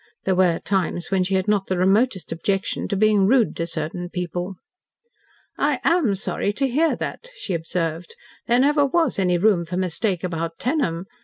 There were times when she had not the remotest objection to being rude to certain people. "I am sorry to hear that," she observed. "There never was any room for mistake about Tenham.